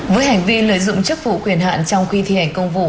với hành vi lợi dụng chức vụ quyền hạn trong khi thi hành công vụ